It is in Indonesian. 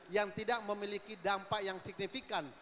yang tidak memiliki dampak yang signifikan